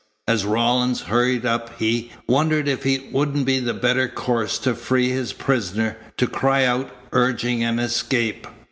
As Rawlins hurried up he wondered if it wouldn't be the better course to free his prisoner, to cry out, urging an escape.